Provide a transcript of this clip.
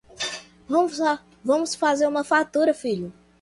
Vamos fazer uma fatura, filho!